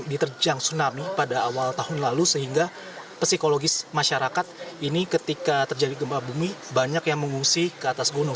jadi di mandalawangi ini pada awal tahun lalu sehingga psikologis masyarakat ini ketika terjadi gempa bumi banyak yang mengungsi ke atas gunung